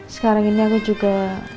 sekarang ini aku juga